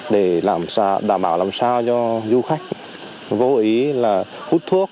để đảm bảo làm sao cho du khách vô ý là hút thuốc